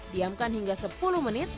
diamkan hingga sepuluh menit